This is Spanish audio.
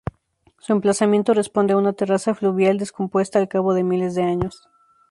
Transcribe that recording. Su emplazamiento responde a una terraza fluvial descompuesta al cabo de miles de años.